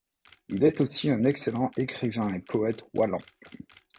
Il est aussi un excellent écrivain et poète wallon.